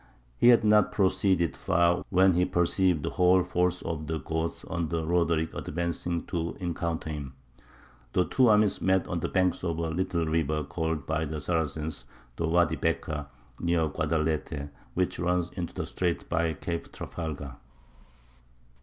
He had not proceeded far when he perceived the whole force of the Goths under Roderick advancing to encounter him. The two armies met on the banks of a little river, called by the Saracens the Wady Bekka, near the Guadalete, which runs into the Straits by Cape Trafalgar.